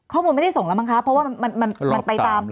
ไม่ได้ส่งแล้วมั้งคะเพราะว่ามันไปตาม